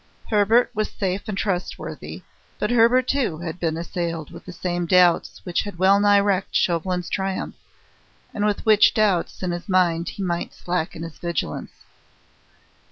Hebert was safe and trustworthy, but Hebert, too, had been assailed with the same doubts which had well nigh wrecked Chauvelin's triumph, and with such doubts in his mind he might slacken his vigilance.